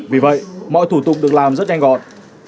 vì vậy mọi thủ tục được làm rất nhanh gọn